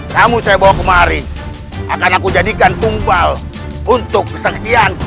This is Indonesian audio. kamu saya bawa kemari akan aku jadikan tunggal untuk kesaksian